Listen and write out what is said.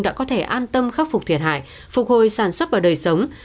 đã có thể an tâm khắc phục thiệt hại phục hồi sản xuất và đời sống